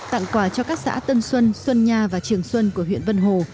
tặng quà cho các xã tân xuân xuân nha và trường xuân của huyện vân hồ